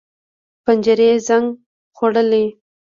پنجرې زنګ خوړلي